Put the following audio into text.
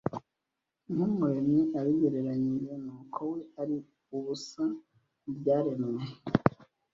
kw’Umuremyi abigereranyije n’uko we ari ubusa mu byaremwe